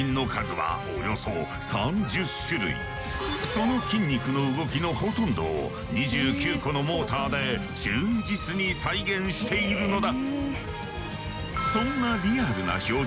その筋肉の動きのほとんどを２９個のモーターで忠実に再現しているのだ。